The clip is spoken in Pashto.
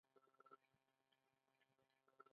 او دا چې د سیسټم په کار کې هر یو څه مهم نقش لري.